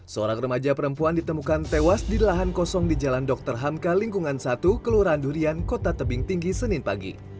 seorang remaja perempuan ditemukan tewas di lahan kosong di jalan dr hamka lingkungan satu kelurahan durian kota tebing tinggi senin pagi